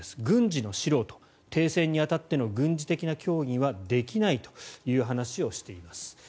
軍事の素人停戦に当たっての軍事的な協議はできないという話をしています。